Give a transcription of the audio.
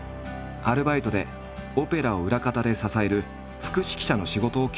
アルバイトでオペラを裏方で支える副指揮者の仕事を経験。